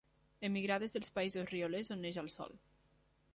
Emigrades dels països riolers on neix el sol.